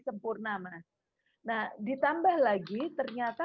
sempurna mas nah ditambah lagi ternyata